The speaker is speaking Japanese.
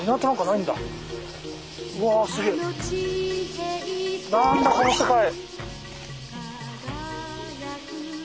何だこの世界。